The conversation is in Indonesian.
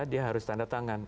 dia harus tanda tangan